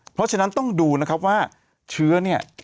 เพราะฉะนั้นต้องดูนะครับว่าเชื้อเนี่ย